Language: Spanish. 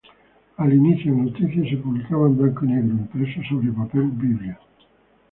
Al inicio, "Noticias" se publicaba en blanco y negro, impreso sobre papel biblia.